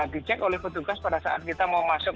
dicek oleh petugas pada saat kita mau masuk